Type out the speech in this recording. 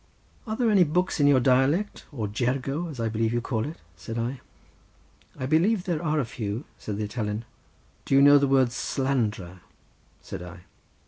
"Are there any books in your dialect, or jergo, as I believe you call it?" said I. "I believe there are a few," said the Italian. "Do you know the word slandra?" said I.